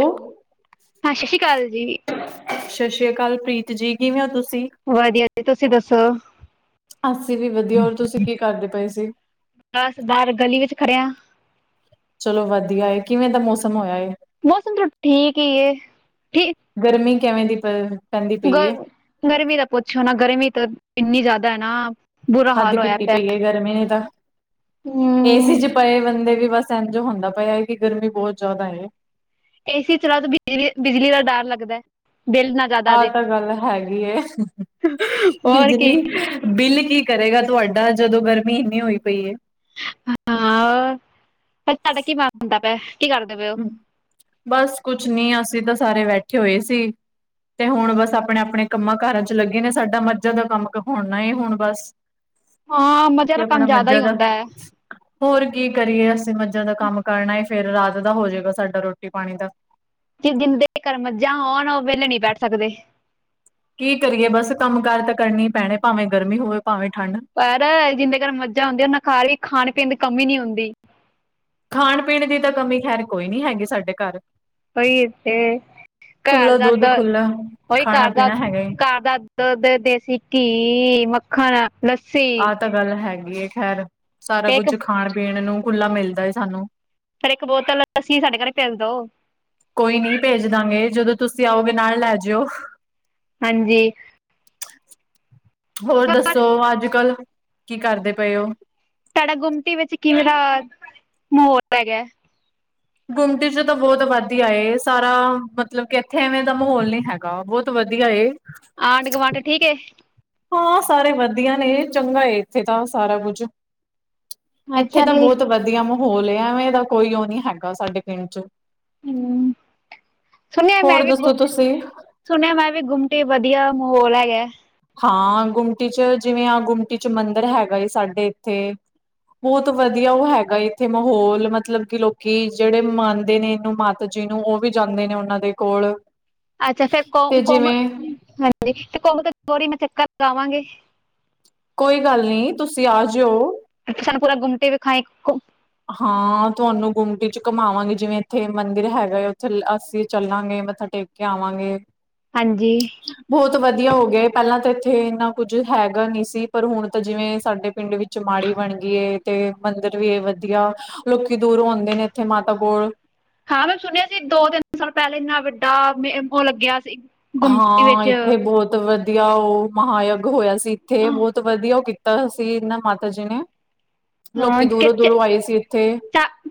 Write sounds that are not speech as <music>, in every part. Hello, ਹਾਂ ਸੈਸੀ ਕਾਲ ਜੀ। ਸ਼ਸ਼ੀ ਕਾਲ ਪ੍ਰੀਤ ਜੀ ਕਿਵੇਂ ਹੋ ਤੁਸੀ? ਵਧੀਆ ਜੀ ਤੁਸੀਂ ਦੱਸੋ? ਅੱਸੀ ਵੀ ਵਧੀਆ ਹੋਰ ਤੁਸੀਂ ਕੀ ਕਰਦੇ ਪਏ ਸੀ? ਬਸ ਬਾਹਰ ਗਲੀ ਵਿੱਚ ਖੜੇ ਆ। ਚਲੋ ਵਧੀਆ ਹੈ ਕਿਵੇਂ ਦਾ ਮੌਸਮ ਹੋਇਆ ਐ। ਮੌਸਮ ਤੋਂ ਠੀਕ ਈ ਇਹ ਠੀਕ। ਗਰਮੀ ਕਿਵੇਂ ਦੀ ਪ ਪੈਂਦੀ ਪਈ ਏ? ਗ ਗਰਮੀ ਦਾ ਪੁੱਛੋ ਨਾ ਗਰਮੀ ਤਾਂ ਇੰਨੀ ਜ਼ਿਆਦਾ ਐ ਨਾ। ਬੁਰਾ ਹੱਦ ਹਾਲ ਹੋਇਆ ਕੀਤੀ ਪਿਆ। ਪਈ ਐ ਗਰਮੀ ਨੇ ਤਾਂ ਏ ਸੀ ਹੂੰ ਚ ਪਏ ਬੰਦੇ ਵੀ ਬਸ ਇੰਝ ਹੁੰਦਾ ਪਿਆ ਇਹ ਕਿ ਗਰਮੀ ਬਹੁਤ ਜ਼ਿਆਦਾ ਏ। ਏਸੀ ਚਲਾ ਤੋਂ ਬਿਜਲੀ - ਬਿਜਲੀ ਦਾ ਡਰ ਲੱਗਦਾ ਬਿੱਲ ਨਾ। ਜ਼ਿਆਦਾ ਆਹ ਆਜੇ ਤਾਂ ਗੱਲ ਹੈਗੀ <inaudible> ਹੋਰ ਕੀ ਬਿਜਲੀ ਬਿੱਲ ਕੀ ਕਰੇਗਾ ਤੁਹਾਡਾ ਜਦੋਂ ਗਰਮੀ ਇੰਨੀ ਹੋਈ ਪਈ ਏ। ਹਾਂ, ਤੁਹਾਡਾ ਕੀ ਮਨ ਹੁੰਦਾ ਪਿਆ ਕੀ ਕਰਦੇ ਪਏ ਓ? ਬਸ ਕੁਛ ਨੀ ਅਸੀ ਤਾਂ ਸਾਰੇ ਬੈਠੇ ਹੋਏ ਸੀ। ਤੇ ਹੁਣ ਬਸ ਆਪਣੇ - ਆਪਣੇ ਕੰਮਾਂ ਕਾਰਾਂ ਚ ਲੱਗੇ ਨੇ ਸਾਡਾ ਮੱਝਾਂ ਦਾ ਕੰਮ ਹੋਣਾ ਹੁਣ ਬਸ ਹਾਂ ਮਜ਼ਾ ਅਸੀਂ ਤਾਂ ਕੰਮ ਆਪਣਾ ਜ਼ਿਆਦਾ ਹੀ ਮੱਝਾਂ ਦਾ। ਹੁੰਦਾ ਹੈ ਹੋਰ ਕੀ ਕਰੀਏ ਮੱਝਾਂ ਦਾ ਕੰਮ ਕਰਨਾਏ ਫੇਰ ਰਾਤ ਦਾ ਹੋਜਏਗਾ ਸਾਡਾ ਰੋਟੀ ਪਾਣੀ ਦਾ। ਜ ਜਿੰਦੇ ਘਰ ਮੱਝਾਂ ਹੋਣ ਉਹ ਵਿਹਲੇ ਨਹੀਂ ਬੈਠ ਸਕਦੇ। ਕੀ ਕਰੀਏ ਬਸ ਕੰਮ ਕਾਰ ਤਾਂ ਕਰਨੇ ਹੀ ਪੈਣੇ ਭਾਵੇਂ ਗਰਮੀ ਹੋਵੇ, ਭਾਵੇਂ ਠੰਡ। ਪਰ ਜਿਹਦੇ ਘਰ ਮੱਝਾਂ ਹੁੰਦੀਆਂ ਓਹਨਾ ਖਾ ਕੇ ਖਾਣ - ਪੀਣ ਦੀ ਕਮੀ ਨੀ ਹੁੰਦੀ। ਖਾਣ - ਪੀਣ ਦੀ ਤਾਂ ਕਮੀ ਖੈਰ ਕੋਈ ਨਹੀ ਹੈਗੀ ਸਾਡੇ ਘਰ। ਉਹੀ ਇਥੇ ਖੁੱਲਾ ਘਰ ਦੁੱਧ ਦੱਦ ਖੁੱਲਾ ਉਹੀ ਖਾਣਾ ਘਰ ਦੱ ਪੀਣਾ ਹੈਗਾ ਏ ਘਰ ਦੱ ਦੁੱਧ, ਦੇਸੀ ਘੀ, ਮੱਖਣ ਲੱਸੀ। ਆਹ ਗੱਲ ਹੈਗੀ ਖੈਰ ਸਾਰਾ ਕੁਝ ਇੱਕ ਖਾਣ, ਪੀਣ ਨੂੰ ਖੁੱਲ੍ਹਾ ਮਿਲਦਾ ਐ ਸਾਨੂੰ। ਫਿਰ ਇੱਕ ਬੋਤਲ ਲੱਸੀ ਸਾਡੇ ਘਰ ਭੇਜ ਦੋ। ਕੋਈ ਨਹੀਂ ਭੇਜ ਦਾਂਗੇ ਜਦੋਂ ਤੁਸੀਂ ਆਓਗੇ ਨਾਲ ਲੈ ਜੋਉ। ਹਾਂਜੀ। ਹੋਰ ਪਰ ਦੱਸੋ ਅੱਜ - ਕੱਲ੍ਹ ਕੀ ਕਰਦੇ ਪਏ ਉਹ। ਤੁਹਾਡਾ ਗੁੰਮਟੀ ਵਿੱਚ ਕਿਹੜਾ ਮੋਰ ਹੈਗਾ। ਗੁੰਮਟੀ ਚ ਤਾਂ ਬਹੁਤ ਆਬਾਦੀ ਆਏ ਸਾਰਾ ਮਤਲਬ ਕਿ ਇੱਥੇ ਐਵੇ ਦਾ ਮਾਹੌਲ ਨੀ ਹੈ- ਗਾ ਬਹੁਤ ਵਧੀਆ ਏ। ਆਂਢ - ਗੁਵਾਂਢ ਠੀਕ ਏ। ਹਾਂ, ਸਾਰੇ ਵਧੀਆ ਨੇ ਚੰਗਾ ਐ ਇੱਥੇ ਤਾਂ ਸਾਰਾ ਕੁਝ। ਇੱਥੇ ਅੱਛਾ ਤਾਂ ਜੀ ਬਹੁਤ ਵਧੀਆ ਮਾਹੌਲ ਏ ਐਵੇਂ ਦਾ ਕੋਈ ਉਹ ਨੀ ਹੈਗਾ ਸਾਡੇ ਪਿੰਡ 'ਚ। <inaudible> ਹੂੰ ਸੁਣਿਆ ਹੋਰ ਮੈਂ ਵੀ ਗੁ ਦੱਸੋ ਤੁਸੀਂ? ਸੁਣਿਆ ਮੈਂ ਵੀ ਗੁੰਮਟੀ ਵਧੀਆ ਮਾਹੌਲ ਹੈਗਾ। ਹਾਂ, ਗੁੰਮਟੀ 'ਚ ਜਿਵੇਂ ਆ ਗੁੰਮਟੀ ਚ ਮੰਦਿਰ ਹੈਗਾ ਸਾਡੇ ਇੱਥੇ। ਬਹੁਤ ਵਧੀਆ ਉਹ ਹੈਗਾ ਇੱਥੇ ਮਾਹੌਲ ਮਤਲਬ ਕਿ ਲੋਕੀਂ ਜਿਹੜੇ ਮੰਨਦੇ ਨੇ ਇਹਨੂੰ ਮਾਤਾ ਜੀ ਨੂੰ ਉਹ ਵੀ ਜਾਂਦੇ ਨੇ ਉਹਨਾਂ ਦੇ ਕੋਲ। ਤੇ ਜਿਵੇਂ <unintelligible> ਕੋਈ ਗੱਲ ਨੀ, ਤੁਸੀਂ ਆ ਜੀਓ। ਇੱਥੇ ਸਾਨੂੰ ਪੂਰਾ ਗੁੰਮਟੀ ਦਿਖਾ ਇੱਕ ਹਾਂ, ਤੁਹਾਨੂੰ ਗੁੰਮਟੀ 'ਚ'ਘੰਮਾਵਾਂਗੇ ਜਿਵੇਂ ਇੱਥੇ ਮੰਦਿਰ ਹੈਗਾ ਉੱਥੇ ਅਸੀਂ ਚੱਲਾਂਗੇ ਮੱਥਾ ਟੇਕ ਟੇਕ ਕੇ ਆਵਾਂਗੇ। ਹਾਂਜੀ। ਬਹੁਤ ਵਧੀਆ ਹੋ ਗਿਆ, ਪਹਿਲਾਂ ਤਾਂ ਇੱਥੇ ਇੰਨਾ ਕੁੱਝ ਹੈਗਾ ਨੀ ਸੀ, ਪਰ ਹੁਣ ਤਾਂ ਜਿਵੇਂ ਸਾਡੇ ਪਿੰਡ ਵਿੱਚ ਚਮਾੜੀ ਬਣ ਗਈ ਏ ਤੇ ਮੰਦਿਰ ਵੀ ਇਹ ਵਧੀਆ ਲੋਕੀਂ ਦੂਰੋਂ ਆਂਦੇ ਨੇ ਇੱਥੇ ਮਾਤਾ ਕੋਲ ਹਾਂ, ਮੈਂ ਸੁਣਿਆ ਸੀ ਦੋ-ਤਿੰਨ ਸਾਲ ਪਹਿਲਾਂ ਇੰਨਾ ਵੱਡਾ ਮੈਂ ਉਹ ਲੱਗਿਆ ਸੀ। ਗੁੰਮਟੀ ਹਾਂ, ਵਿੱਚ ਇੱਥੇ ਬਹੁਤ ਵਧੀਆ ਉਹ ਮਹਾਂਯੁੱਗ ਹੋਇਆ ਸੀ। ਇੱਥੇ ਬਹੁਤ ਵਧੀਆ ਉਹ ਕੀਤਾ ਅਸੀਂ ਇਹਨਾਂ ਮਾਤਾ ਜੀ ਨੇ। ਹਾਂ ਲੋਕੀ ਦੂਰੋਂ-ਦੂਰੋਂ ਚ ਆਏ ਸੀ ਇੱਥੇ।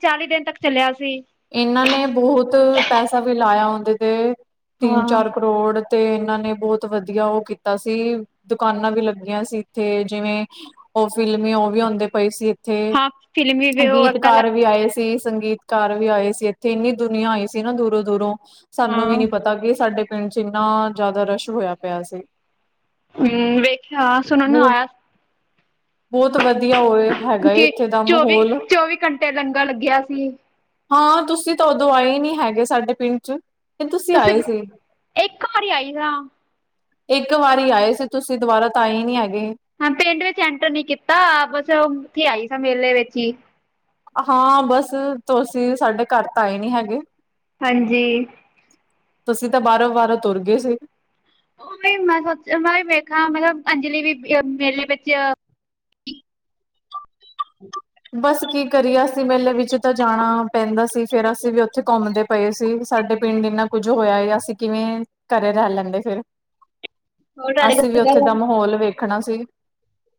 ਚਾਲੀ ਦਿਨ ਤੱਕ ਚੱਲਿਆ ਸੀ ਇਹਨਾਂ ਨੇ ਬਹੁਤ ਪੈਸਾ ਵੀ ਲਾਇਆ ਉਹਦੇ ਤੇ ਤਿੰਨ- ਹਾਂ ਚਾਰ ਕਰੋੜ ਤੇ ਇਹਨਾਂ ਨੇ ਬਹੁਤ ਵਧੀਆ ਉਹ ਕੀਤਾ ਸੀ। ਦੁਕਾਨਾਂ ਵੀ ਲੱਗੀਆਂ ਸੀ ਇੱਥੇ ਜਿਵੇਂ, ਉਹ ਫਿਲਮੀ ਉਹ ਵੀ ਆਉਂਦੇ ਪਏ ਸੀ। ਉੱਥੇ ਹਾਂ ਫਿਲਮੀ ਵੀ ਉਹ ਪਹਿਲਾਂ ਗੀਤਕਾਰ ਵੀ ਆਏ ਸੀ ਸੰਗੀਤ ਕਾਰ ਵੀ ਆਏ ਸੀ ਇੱਥੇ ਇੰਨੀ ਦੁਨੀਆਂ ਆਈ ਸੀ ਨਾ ਦੂਰੋਂ-ਦੂਰੋਂ ਸਾਨੂੰ ਵੀ ਹਾਂ ਨੀ ਪਤਾ ਕਿ ਸਾਡੇ ਪਿੰਡ 'ਚ' ਇੰਨਾ ਜ਼ਿਆਦਾ ਰਸ਼ ਹੋਇਆ ਪਿਆ ਸੀ। ਹਮ, ਵੇਖਿਆ ਸੁਣਨ ਨੂੰ ਬਹੁ ਆਇਆ ਸੀ। ਬਹੁਤ ਵਧੀਆ ਹੋਵੇ ਹੈਗਾ ਕਿ ਇੱਥੇ ਦਾ ਚੌਵੀ ਮਾਹੌਲ ਚੌਵੀ ਘੰਟੇ ਲੰਗਰ ਲੱਗਿਆ ਸੀ <inaudible> ਹਾਂ, ਤੁਸੀਂ ਤਾਂ ਉਦੋਂ ਆਏ ਨੀ ਹੈਗੇ ਸਾਡੇ ਪਿੰਡ 'ਚ' ਤੇ ਤੁਸੀਂ ਆਏ ਸੀ? ਇੱਕ ਮਰਿਆਈ ਸਾਂ। ਇੱਕ ਵਾਰੀ ਆਏ ਸੀ ਤੁਸੀਂ ਦੁਬਾਰਾ ਤਾਂ ਆਏ ਨੀ ਹੈਗੇ। ਹਾਂ ਪਿੰਡ ਵਿੱਚ ਐਂਟਰ ਨੀ ਕੀਤਾ ਬਸ ਉੱਥੇ ਆਈ ਸਾਂ ਮੇਲੇ ਵਿੱਚ ਹੀ। ਹਾਂ, ਬਸ ਤੁਸੀਂ ਸਾਡੇ ਘਰ ਤਾਂ ਆਏ ਨੀਂ ਹੈਗੇ। ਹਾਂਜੀ। ਤੁਸੀਂ, ਤਾਂ ਬਾਹਰੋ-ਬਾਹਰੋ ਤੁਰ ਗਏ ਸੀ। ਉਹ ਵੀ, ਮੈਂ ਸੋਚ ਮੈਂ ਵੀ ਵੇਖਾਂ‌ ਮਤਲਬ ਅੰਜਲੀ ਬੀਬੀ ਮੇਲੇ ਵਿੱਚ <inaudible> ਬਸ ਕੀ ਕਰੀਏ, ਅਸੀਂ ਮੇਲੇ ਵਿੱਚ ਤਾਂ ਜਾਣਾ ਪੈਂਦਾ ਸੀ ਫੇਰ ਅਸੀਂ ਵੀ ਉੱਥੇ ਘੁੰਮਦੇ ਪਏ ਸੀ ਸਾਡੇ ਪਿੰਡ ਇੰਨਾ ਕੁੱਝ ਹੋਇਆ ਏ ਅਸੀਂ ਕਿਵੇਂ ਘਰੇ ਰਹਿ ਲੈਂਦੇ ਫਿਰ ਅਸੀਂ ਵੀ ਉੱਥੇ ਦਾ ਮਾਹੌਲ ਵੇਖਣਾ ਸੀ।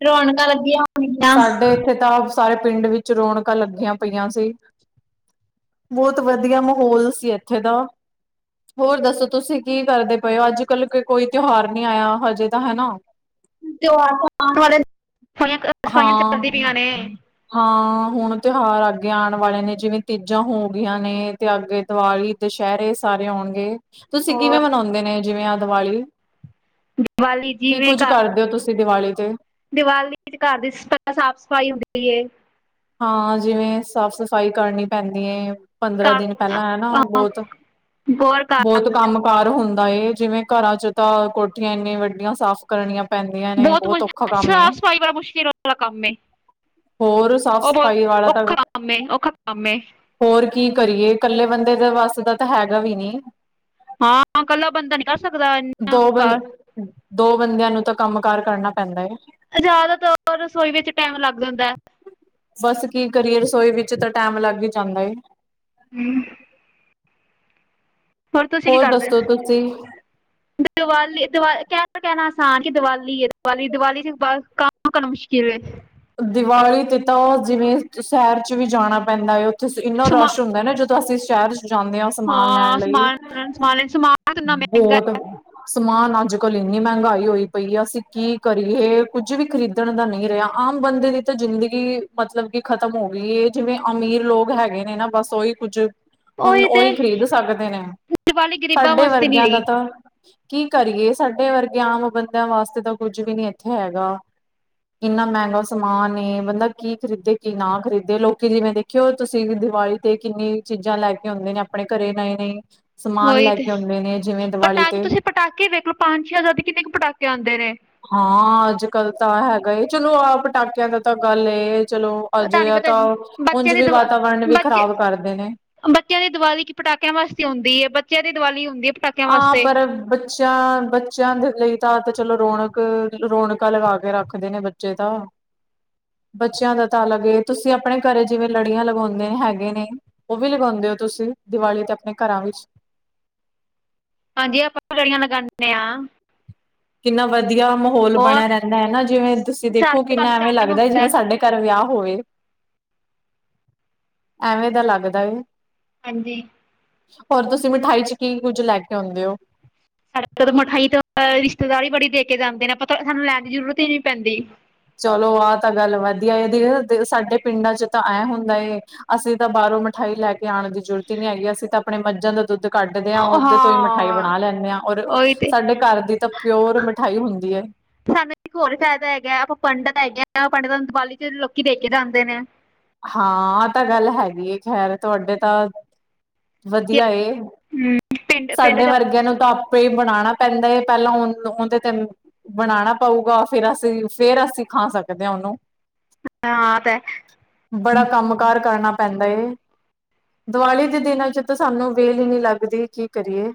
ਰੌਣਕਾਂ ਲੱਗੀਆਂ ਹੋਣੀਆਂ। ਸਾਡੇ ਇੱਥੇ ਤਾਂ ਸਾਰੇ ਪਿੰਡ ਵਿੱਚ ਰੌਣਕਾਂ ਲੱਗੀਆਂ ਪਈਆਂ ਸੀ। ਬਹੁਤ ਵਧੀਆ ਮਾਹੌਲ ਸੀ ਇੱਥੇ ਦਾ ਹੋਰ ਦੱਸੋ ਤੁਸੀਂ ਕੀ ਕਰਦੇ ਪਏ ਓ ਅੱਜ-ਕੱਲ੍ਹ ਕੋਈ ਤਿਉਹਾਰ ਨਹੀਂ ਆਇਆ ਹਜੇ ਤਾਂ ਹੈਨਾ? <inaudible> ਤਿਉਹਾਰ ਆਉਣ ਵਾਲੇ ਨੇ ਹਾਲੇ ਤਾਂ ਸਫ਼ਾਈਆਂ ਚੱਲਦੀਆਂ ਹਾਂ ਪਈਆਂ ਨੇ। ਹਾਂ ਹੁਣ ਤਿਉਹਾਰ ਅੱਗੇ ਆਉਣ ਵਾਲੇ ਨੇ ਜਿਵੇਂ ਤੀਜਾਂ ਹੋ ਗਈਆਂ ਨੇ ਤੇ ਅੱਗੇ ਦੀਵਾਲੀ ਦੁਸਹਿਰੇ ਸਾਰੇ ਆਉਣਗੇ ਤੁਸੀਂ ਹੋਰ ਕਿਵੇਂ ਮਨਾਉਂਦੇ ਨੇ ਜਿਵੇਂ ਆ ਦੀਵਾਲੀ? ਦੀਵਾਲੀ ਕੀ ਜਿਵੇਂ ਕੁੱਝ ਘਰ ਕਰਦੇ ਹੋ ਤੁਸੀਂ ਦੀਵਾਲੀ ਤੇ? ਦੀਵਾਲੀ ਵਿੱਚ ਘਰ ਦੀ ਸ ਸਾਫ਼-ਸਫ਼ਾਈ ਹੁੰਦੀ ਏ। ਹਾਂ ਜਿਵੇਂ ਸਾਫ਼-ਸਫ਼ਾਈ ਕਰਨੀ ਪੈਂਦੀ ਏ। ਪੰਦਰਾਂ ਘਰ ਦਿਨ ਪਹਿਲਾਂ ਐਨਾ ਅਹ, ਹੋਰ ਘਰ ਬਹੁਤ-ਬਹੁਤ ਕੰਮ ਕਾਰ ਹੁੰਦਾ ਏ ਜਿਵੇਂ ਘਰਾਂ 'ਚ' ਤਾਂ ਕੋਠੀਆਂ ਇੰਨੀਆਂ ਵੱਡੀਆਂ ਸਾਫ਼ ਕਰਨੀਆਂ। ਪੈਂਦੀਆਂ ਨੇ ਬਹੁਤ ਮਜ਼ਾ ਔਖਾ ਕੰਮ ਏ ਸਾਫ਼-ਸਫ਼ਾਈ ਵਾਲਾ ਮੁਸ਼ਕਿਲ ਵਾਲਾ ਕੰਮ ਏ। ਹੋਰ ਸਾਫ਼ ਉਹ ਸਫ਼ਾਈ ਬਹੁਤ ਵਾਲਾ ਤਾਂ ਔਖਾ ਕੰਮ ਏ, ਔਖਾ ਕੰਮ ਏ। ਹੋਰ ਕੀ ਕਰੀਏ ਇਕੱਲੇ ਬੰਦੇ ਦੇ ਵੱਸ ਦਾ ਤਾਂ ਹੈਗਾ ਵੀ ਨੀ। ਹਾਂ ਇਕੱਲਾ ਬੰਦਾ ਨੀ ਕਰ ਸਕਦਾ, ਇਨ੍ਹਾਂ‌ ਦੋ ਕ ਬੰ ਦੋ ਬੰਦਿਆਂ ਨੂੰ ਤਾਂ ਕੰਮ-ਕਾਰ ਕਰਨਾ ਪੈਂਦਾ ਏ। ਜ਼ਿਆਦਾਤਰ ਰਸੋਈ ਵਿੱਚ ਟਾਈਮ ਲੱਗ ਜਾਂਦਾ। ਬੱਸ ਕੀ ਕਰੀਏ ਰਸੋਈ ਵਿੱਚ ਤਾਂ ਟੈਮ ਲੱਗ ਈ ਜਾਂਦਾ ਏ। ਹਮ। ਹੋਰ ਦੱਸੋ ਤੁਸੀਂ ਦੀਵਾਲੀ-ਦੀਵਾਲੀ, ਕਹਿਣਾ-ਕਹਿਣਾ ਆਸਾਨ ਕਿ ਦੀਵਾਲੀ ਏ ਦੀਵਾਲੀ, ਦੀਵਾਲੀ ਤੇ ਕੰਮ ਕਰਨਾ ਮੁਸ਼ਕਿਲ ਏ। ਦੀਵਾਲੀ ਤੇ ਤਾਂ ਜਿਵੇਂ ਸ਼ਹਿਰ 'ਚ' ਵੀ ਜਾਣਾ ਪੈਂਦਾ ਏ ਉੱਥੇ ਇੰਨਾ ਸਮਾ ਰਸ਼ ਹੁੰਦਾ ਨਾ ਜਦੋਂ ਤੇ ਅਸੀਂ ਸ਼ਹਿਰ 'ਚ' ਜਾਂਣੇ ਆ ਸਮਾਨ ਲੈਣ ਹਾਂ ਲਈ, ਸਮਾਨ ਸਮਾਨ ਸਮਾਨ ਕਿੰਨਾ ਮਹਿੰਗਾ ਬਹੁਤ ਸਮਾਨ ਅੱਜ-ਕੱਲ੍ਹ ਇੰਨੀ ਮਹਿੰਗਾਈ ਹੋਈ ਪਈ ਆ ਅਸੀਂ ਕੀ ਕਰੀਏ ਕੁੱਝ ਵੀ ਖਰੀਦਣ ਦਾ ਨਹੀਂ ਰਿਹਾ। ਆਮ ਬੰਦੇ ਦੀ ਤਾਂ ਜ਼ਿੰਦਗੀ ਮਤਲਬ ਕਿ ਖਤਮ ਹੋ ਗਈ ਏ ਜਿਵੇਂ ਅਮੀਰ ਲੋਕ ਹੈਗੇ ਨੇ ਨਾ ਬੱਸ ਉਹੀ ਕੁਝ ਹੁਣ ਉਹੀ ਖ਼ਰੀਦ ਸਕਦੇ ਨੇ, ਦੀਵਾਲੀ ਗਰੀਬਾਂ ਸਾਡੇ ਵਾਸਤੇ ਨੀ ਵਰਗਿਆਂ ਦਾ ਰਹੀ ਤਾਂ ਕੀ ਕਰੀਏ ਸਾਡੇ ਵਰਗੇ ਆਮ ਬੰਦਿਆਂ ਵਾਸਤੇ ਤਾਂ ਕੁੱਝ ਵੀ ਨੀਂ ਇੱਥੇ ਹੈਗਾ। ਇੰਨਾ ਮਹਿੰ ਗਾਂ ਸਮਾਨ ਏ ਬੰਦਾ ਕੀ ਖਰੀਦੇ ਕੀ ਨਾ ਖਰੀਦੇ ਲੋਕੀ ਜਿਵੇਂ ਦੇਖਿਓ ਤੁਸੀਂ ਦੀਵਾਲੀ ਤੇ ਕਿੰਨੀ ਚੀਜ਼ਾਂ ਲੈ ਕੇ ਆਉਂਦੇ ਨੇ ਆਪਣੇ ਘਰੇ ਨਈ-ਨਈ। ਉਹੀ ਤੇ, ਪਟਾਕੇ ਤੇ ਤੁਸੀਂ ਪਟਾਕੇ ਵੇਖ ਲਓ ਪੰਜ-ਛੇ ਹਜ਼ਾਰ ਦੇ ਕਿੰਨੇ ਕ ਪਟਾਕੇ ਆਉਂਦੇ ਨੇ ਹਾਂ ਅੱਜ-ਕੱਲ੍ਹ ਤਾਂ ਹੈਗਾ ਏ ਚੱਲੋ ਆਪ ਪਟਾਕਿਆਂ ਦਾ ਤਾਂ ਗੱਲ ਏ ਚੱਲੋ ਪਤਾ ਨੀ ਅਜਿਹਾ ਪਤਾ ਤਾਂ, ਬੱਚਿਆਂ ਉਂਝ ਦੀ ਵੀ ਦਵਾ ਵਾਤਾਵਰਨ ਵੀ ਬੱਚੇ ਖ਼ਰਾਬ ਕਰਦੇ ਨੇ। ਬੱਚਿਆਂ ਦੀ ਦੀਵਾਲੀ 'ਚ' ਪਟਾਕਿਆਂ ਵਾਸਤੇ ਆਉਂਦੀ ਏ ਬੱਚਿਆਂ ਦੀਵਾਲੀ ਹੁੰਦੀ ਏ ਆ ਪਰ ਬੱਚਿਆਂ, ਬੱਚਿਆਂ ਦੇ ਲਈ ਤਾਂ ਤੇ ਚੱਲੋ ਰੌਣਕ-ਰੌਣਕਾਂ ਲਗਾ ਕੇ ਰੱਖਦੇ ਨੇ ਬੱਚੇ ਤਾਂ ਬੱਚਿਆਂ ਦਾ ਤਾਂ ਅਲੱਗ ਏ ਤੁਸੀਂ ਆਪਣੇ ਘਰੇ ਜਿਵੇਂ ਲੜੀਆਂ ਲਗਾਉਂਦੇ ਹੈਗੇ ਨੇ। ਉਹ ਵੀ ਲਗਾਉਂਦੇ ਓ ਤੁਸੀਂ ਦੀਵਾਲੀ ਤੇ ਆਪਣੇ ਘਰਾਂ ਵਿੱਚ ਹਾਂਜੀ ਆਪਾਂ ਲੀੜੀਆਂ ਲਗਾਣੇ ਆ। ਕਿੰਨਾ ਵਧੀਆ ਮਾਹੌਲ ਉਹ ਬਣਿਆ ਰਹਿੰਦਾ ਐ ਨਾ ਜਿਵੇਂ ਤੁਸੀਂ ਦੇਖੋ ਸਾਰੇ ਪਾਸੇ ਕਿੰਨਾ ਐਵੇਂ ਚੰਡ ਨੂੰ ਲੱਗਦਾ ਜਿਵੇਂ ਸਾਡੇ ਘਰ ਵਿਆਹ ਹੋਵੇ, <inaudible> ਐਵੇਂ ਦਾ ਲੱਗਦਾ ਏ। ਹਾਂਜੀ। ਹੋਰ ਤੁਸੀਂ ਮਿਠਾਈ 'ਚ' ਕੀ ਕੁੱਝ ਲੈ ਕੇ ਆਉਂਦੇ ਓ? ਸਾਡ ਮਿਠਾਈ ਤੋਂ ਰਿਸ਼ਤੇਦਾਰ ਈ ਬੜੀ ਦੇ ਕੇ ਜਾਂਦੇ ਨੇ ਪਤਾ ਸਾਨੂੰ ਲੈਣ ਦੀ ਜ਼ਰੂਰਤ ਹੀ ਨੀ ਪੈਂਦੀ ਚਲੋ ਆਹ ਤਾਂ ਗੱਲ ਵਧੀਆਂ ਐ ਸਾਡੇ ਪਿੰਡਾਂ 'ਚ' ਤਾਂ ਐਂ ਹੁੰਦਾ ਐ ਅਸੀਂ ਤਾਂ ਬਾਹਰੋਂ ਮਿਠਾਈ ਲੈ ਕੇ ਆਣ ਦੀ ਜ਼ਰੂਰਤ ਹੀ ਨੀ ਹੈਗੀ ਅਸੀਂ ਤਾਂ ਆਪਣੇ ਮੱਝਾਂ ਦਾ ਦੁੱਧ ਕੱਢਦੇ ਆ ਉਹਦੇ ਤੋਂ ਹੀ ਮਿਠਾਈ ਹਾਂ ਬਣਾ ਲੈਣੇ ਆ ਔਰ ਉਹੀ ਤੇ ਸਾਡੇ ਘਰ ਦੀ ਤਾਂ ਪਿਓਰ ਮਿਠਾਈ ਹੁੰਦੀ ਐ ਸਾਨੂੰ ਇੱਕ ਹੋਰ ਫ਼ਾਇਦਾ ਹੈਗਾ ਆਪਾਂ ਪੰਡਿਤ ਹੈਗੇ ਆ ਪੰਡਿਤਾਂ ਨੂੰ ਦੀਵਾਲੀ 'ਚ'ਲੋਕੀਂ ਦੇ ਕੇ ਜਾਂਦੇ ਨੇ ਹਾਂ ਆ ਤਾਂ ਗੱਲ ਹੈਗੀ ਹੈ ਖ਼ੈਰ ਤੁਹਾਡੇ ਤਾਂ ਕਿ ਵਧੀਆਂ ਏ, ਹਮ, ਪਿੰਡ ਪਿੰਡ ਸਾਡੇ 'ਚ ਵਰਗਿਆਂ ਨੂੰ ਤਾਂ <unintelligible> ਬਣਾਣਾ ਪੈਂਦਾ ਐਂ ਪਹਿਲਾਂ ਓਨ ਓਨਦੇ ਤੇ ਬਣਾਣਾ ਪਊਗਾ ਫ਼ੇਰ ਅਸੀਂ ਫ਼ੇਰ ਅਸੀਂ ਖਾ ਸਕਦੇ ਆ ਉਹਨੂੰ <unintelligible> ਬੜਾ ਕੰਮ ਕਾਰ ਕਰਨਾ ਪੈਂਦਾ ਏ, ਦੀਵਾਲੀ ਦੇ ਦਿਨਾਂ 'ਚ' ਤਾਂ ਸਾਨੂੰ ਵੇਹਲ ਈ ਨ੍ਹੀਂ ਲੱਗਦੀ ਕੀ ਕਰੀਏ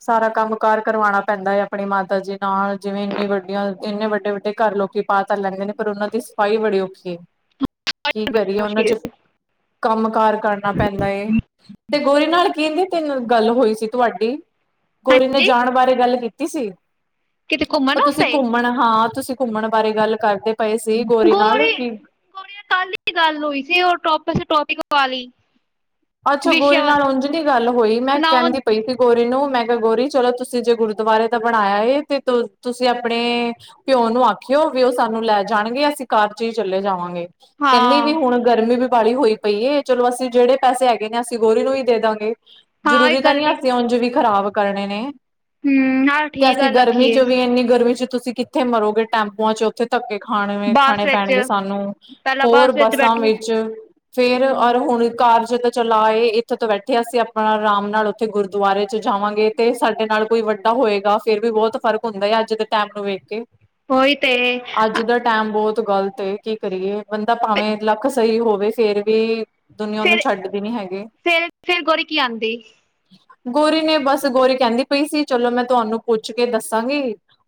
ਸਾਰਾ ਕੰਮ ਕਾਰ ਕਰਵਾਣਾ ਪੈਂਦਾ ਐ ਆਪਣੀ ਮਾਤਾ ਜੀ ਨਾਲ਼ ਜਿਵੇਂ ਇੰਨੀ ਵੱਡੀਆਂ ਇੰਨੇ ਵੱਡੇ-ਵੱਡੇ ਘਰ ਲੋਕੀਂ ਪਾ ਤਾਂ ਲੈਂਦੇ ਨੇ ਪਰ ਉਹਨਾਂ ਦੀ ਸਫ਼ਾਈ ਬੜੀ ਔਖੀ ਐ। ਕੀ ਕਰੀਏ ਉਹਨਾਂ ਮੁਸ਼ਕਿਲ ਚ ਕੰਮ - ਕਾਰ ਕਰਨਾ ਪੈਂਦਾ ਏ ਤੇ ਗੋਰੀ ਨਾਲ਼ ਕੀਦੀ ਤਿੰਨ ਗੱਲ ਹੋਈ ਸੀ ਤੁਹਾਡੀ ਗੋਰੀ ਨੇ ਹਾਂਜੀ ਜਾਣ ਬਾਰੇ ਗੱਲ ਕੀਤੀ ਸੀ ਕਿਤੇ ਉਹ ਘੁੰਮਣ ਤੁਸੀਂ ਘੁੰਮ ਵਾਸਤੇ ਘੁੰਮਣ ਹਾਂ ਤੁਸੀਂ ਘੁੰਮਣ ਬਾਰੇ ਗੱਲ ਕਰਦੇ ਪਏ ਸੀ ਗੋਰੀ ਨਾਲ ਕੀ ਗੋਰੀ ਨਾਲ ਗੱਲ ਹੋਈ ਸੀ ਉਹ ਟੋਪਸ ਟੋਪਿਕ ਵਾਲੀ। ਅੱਛਾ ਵਿਸ਼ੇ ਗੋਰੀ ਨਾਲ਼ ਵਾਸਤੇ ਉਝ ਦੀ ਗੱਲ ਹੋਈ ਮੈਂ ਨਾ ਉਹ- ਕਹਿੰਦੀ ਪਈ ਫਿਰ ਗੋਰੀ ਨੂੰ ਮੈਂ ਕਿਹਾ ਗੋਰੀ ਚਲੋ ਤੁਸੀ ਜੇ ਗੁਰਦੁਆਰੇ ਦਾ ਬਣਾਇਆ ਹੈ ਤੇ ਤੁਸੀਂ ਆਪਣੇ ਪਿਓ ਨੂੰ ਆਖਿਓ ਵੀ ਉਹ ਸਾਨੂੰ ਲੈ ਜਾਣਗੇ ਅਸੀਂ ਘਰ ਚ ਹੀ ਚਲੇੇ ਜਾਵਾਂਗੇ। ਕਹਿੰਦੀ ਵੀ ਹਾਂ ਹੁਣ ਗਰਮੀ ਵੀ ਬਾਹਲੀ ਹੋਈ ਪਈ ਚਲੋ ਅਸੀਂ ਜਿਹੜੇ ਪੈਸੇ ਹੈਗੇ ਨੇ ਅਸੀਂ ਗੋਰੀ ਨੂੰ ਹੀ ਦੇ ਦਾਂਗੇ ਹਾਂ ਇਹ ਜ਼ਰੂਰੀ ਤਾਂ ਗੱਲ ਨ੍ਹੀ ਠੀਕ ਅਸੀਂ ਉੰਝ ਵੀ ਖ਼ਰਾਬ ਕਰਨੇ ਨੇ। ਹਮ ਹਾਂ ਤੇ ਠੀਕ ਅਸੀਂ ਗੱਲ ਆਖੀ ਗਰਮੀ ਚ ਏ ਵੀ ਇੰਨੀ ਗਰਮੀ ਚ ਤੁਸੀਂ ਕਿੱਥੇ ਮਰੋਗੇ ਟੈਂਪੂਆਂ ਚ ਉੱਥੇ ਧੱਕੇ ਖਾਣੇ ਬੱਸ ਖਾਣੇ ਵਿੱਚ ਪੈਣਗੇ ਸਾਨੂੰ ਪਹਿਲਾਂ ਹੋਰ ਬੱਸ ਵਿੱਚ ਬੱਸਾਂ ਬੈਠੋ ਵਿੱਚ ਫੇਰ ਅਰ ਹਮ, ਹੁਣ ਘਰ ਜੇ ਤੋਂ ਚਲਾ ਆਏ ਇੱਥੋਂ ਤੋਂ ਬੈਠੇ ਅਸੀਂ ਆਪਣਾ ਰਾਮ ਨਾਲ ਉੱਥੇ ਗੁਰਦੁਆਰੇ ਚ ਜਾਵਾਂਗੇ ਤੇ ਸਾਡੇ ਨਾਲ ਕੋਈ ਵੱਡਾ ਹੋਏਗਾ ਫੇਰ ਵੀ ਬਹੁਤ ਫ਼ਰਕ ਹੁੰਦਾ ਹੈ ਅੱਜ ਦੇ ਟੈਮ ਨੂੰ ਵੇਖ ਕੇ ਉਹੀ ਤੇ ਅੱਜ ਦਾ ਟੈਮ ਬਹੁਤ ਗ਼ਲ ਤੇ ਕੀ ਕਰੀਏ ਬੰਦਾ ਭਾਵੇਂ ਲੱਖ ਸਹੀ ਹੋਵੇ ਫੇਰ ਵੀ ਦੁਨੀ ਫਿਰ ਛੱਡਦੇ ਨੀ ਹੈਗੇ। ਫਿਰ ਫਿਰ ਗੋਰੀ ਕੀ ਆਂਦੀ ਗੋਰੀ ਨੇ ਬਸ ਗੋਰੀ ਕਹਿੰਦੀ ਪਈ ਸੀ ਚਲੋ ਮੈਂ ਤੁਹਾਨੂੰ ਪੁੱਛ ਕੇ ਦੱਸਾਂਗੀ।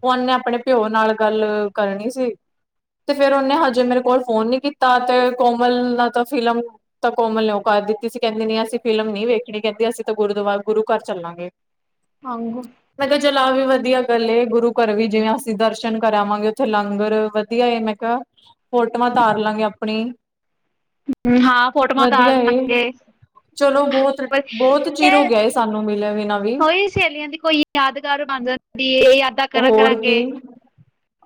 ਉਹਨੇ ਆਪਣੇ ਪਿਓ ਨਾਲ ਗੱਲ ਕਰਨੀ ਸੀ। ਤੇ ਫੇਰ ਉਹਨੇ ਹਜੇ ਮੇਰੇ ਕੋਲ਼ ਫ਼ੋਨ ਨੀ ਕੀਤਾ ਤੇ ਕੋਮਲ ਨਾ ਤਾਂ ਫ਼ਿਲਮ ਤਾਂ ਕੋਮਲ ਨੇ ਕਰ ਦਿੱਤੀ ਸੀ ਕਹਿੰਦੀ ਨੀ ਅਸੀਂ ਫ਼ਿਲਮ ਨ ਨਹੀਂ ਵੇਖਣੀ ਕਹਿੰਦੀ ਅਸੀਂ ਤਾਂ ਗੁਰੂਦੁਆਰ ਗੁਰੂ ਘਰ ਚੱਲਾਂਗੇ। ਹਾਂਗੋ। ਮੈਂ ਕਿਹਾ ਚਲਾ ਵੀ ਵਧੀਆਂ ਗੱਲ ਗੁਰੂ ਘਰ ਵੀ ਜਿਵੇਂ ਅਸੀਂ ਦਰਸ਼ਨ ਕਰਾ ਆਵਾਂਗੇ ਉੱਥੇ ਲਾਗਰ ਵਧੀਆਂ ਏ ਮੈਂ ਕਿਹਾ, ਫੋਟੋਆਂ ਉਤਾਰ ਲਾਂਗੇ ਆਪਣੀ। ਹਮ ਹਾਂ ਫੋਟੋਮਾ ਤਾਰ ਵਧੀਆ ਲਾ ਏ। ਗੇ। ਚਲੋ ਬਹੁਤ <unintelligible> ਬਹੁਤ ਚਿਰ ਹੋ ਗਿਆ ਏ ਸਾਨੂੰ ਮਿਲੇ ਬਿਨਾਂ ਵੀ ਉਹੀ ਸਹੇਲੀਆਂ ਦੀ ਕੋਈ ਯਾਦਗਾਰ ਬਣ ਜਾਂਦੀ ਏ ਯਾਦਾਂ ਕਰਾਂ ਹੋਰ ਕਰਾਂਗੇ। ਕੀ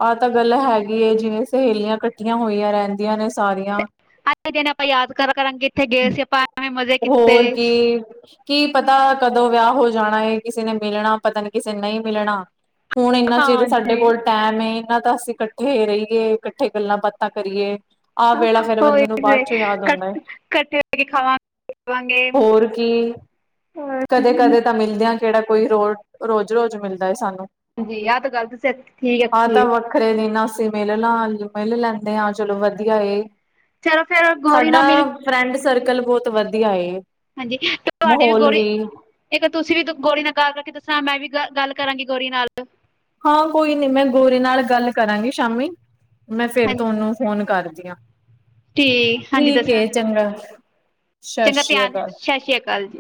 ਆਹ ਤਾਂ ਗੱਲ ਹੈਗੀ ਜਿਵੇਂ ਸਹੇਲੀਆਂ ਕੱਠੀਆਂ ਹੋਈਆਂ ਰਹਿੰਦੀਆਂ ਨੇ ਸਾਰੀਆਂ। <unintelligible> ਦਿਨ ਆਪਾਂ ਯਾਦ ਕਰਾਂਗੇ ਇੱਥੇ ਗਏ ਸੀ ਆਪਾਂ ਐਵੇਂ ਮਜ਼ੇ ਕੀਤੇ ਹੋਰ ਕੀ। ਕੀ ਪਤਾ ਕਦੋਂ ਵਿਆਹ ਹੋ ਜਾਣਾ ਏ ਕਿਸੇ ਨੇ ਮਿਲਣਾ ਪਤਾ ਨੀ ਕਿਸੇ ਨਹੀਂ ਮਿਲਣਾ। ਹੁਣ ਇੰਨਾ ਚਿਰ ਸਾਡੇ ਹਾਂਜੀ ਕੋਲ਼ ਟੇਮ ਏ ਇਹਨਾਂ ਤਾਂ ਅਸੀਂ ਇਕੱਠੇ ਰਹੀਏ ਇਕੱਠੇ ਗੱਲਾਂ - ਬਾਤਾਂ ਕਰੀਏ। ਆਹ ਵੇਲਾ ਫਿਰ ਉਹੀ ਬੰਦੇ ਨੂੰ ਤੇ ਬਾਅਦ ਚੋਂ ਯਾਦ ਆਉਦਾ ਐ। ਇਕੱਠੇ ਹੋ ਕੇ ਖਾਵਾਂ। ਹੋਰ ਕੀ ਕਦੇ-ਕਦੇ ਤਾਂ ਮਿਲਦੇ ਆਂ ਕਿਹੜਾ ਕੋਈ ਰੋ ਰੋਜ਼-ਰੋਜ਼ ਮਿਲਦਾ ਏ ਸਾਨੂੰ। ਹਾਂਜੀ ਆਹ ਤਾਂ ਗੱਲਤ ਸ ਠੀਕ ਆਖੀਏ। <unintelligible> ਨਾ ਅਸੀਂ ਮਿਲਨ ਆਵਾਂਗੇ ਮਿਲ ਲੈਂਦੇ ਹਾਂ ਚਲੋ ਵਧੀਆ ਏ। ਚਲੋ ਫੇਰ ਗੋਰੀ ਨਾਲ ਸਾਡਾ ਮੇਰੀ ਫਰੈਂਡ ਸਰਕਲ ਬਹੁਤ ਵਧੀਆ ਏ। ਹਾਂਜੀ ਤੇ ਤੁਹਾਡੇ ਵੀ ਗੋਰੀ ਇੱਕ ਤੁਸੀਂ ਵੀ ਗੋਰੀ ਨਾਲ ਗਾਲ ਕਰ ਕੇ ਦੱਸਾਂ। ਮੈਂ ਵੀ ਗ ਗੱਲ ਕਰਾਂਗੀ ਗੋਰੀ ਨਾਲ ਹਾਂ ਕੋਈ ਨੀ ਮੈਂ ਗੋਰੀ ਨਾਲ ਗੱਲ ਕਰਾਂਗੀ ਸ਼ਾਮੀ। ਮੈਂ ਫਿਰ ਹਾਂਜੀ ਤੁਹਾਨੂੰ ਫੋਨ ਕਰਦੀ ਆ। ਹਾਂਜੀ ਠੀਕ ਦੱਸਣਾ ਏ ਚੰਗਾ ਚੰਗਾ ਧਿਆਨ ਸਸਰੀਆਕਾਲ। ਸਤਿ ਸ੍ਰੀ ਅਕਾਲ ਜੀ